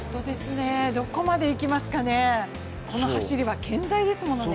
どこまでいきますかね、この走りは健在ですものね。